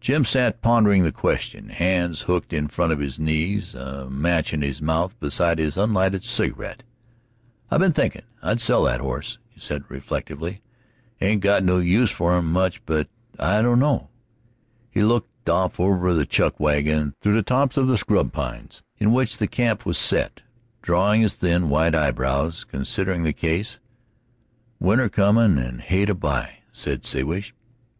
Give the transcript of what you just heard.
Jim sat pondering the question, hands hooked in front of his knees, a match in his mouth beside his unlighted cigarette. "I been thinkin' I'd sell that horse," said he reflectively. "Ain't got no use for him much; but I don't know." He looked off over the chuck wagon, through the tops of the scrub pines in which the camp was set, drawing his thin, white eyebrows, considering the case. "Winter comin' on and hay to buy," said Siwash.